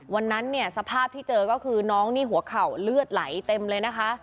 วันนั้นเนี่ยสภาพที่เจอก็คือน้องนี่หัวเข่าเลือดไหลเต็มเลยนะคะ